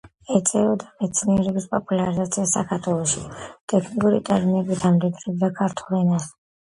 ეწეოდა მეცნიერების პოპულარიზაციას საქართველოში, ტექნიკური ტერმინებით ამდიდრებდა ქართულ ენას.